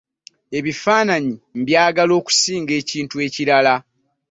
Ebifaananyi mbyagala okusinga ekintu ekirala.